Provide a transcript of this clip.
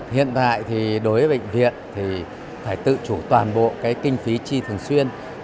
hiện tại thì đối với bệnh viện thì phải tự chủ toàn bộ cái kinh phí chi thường xuyên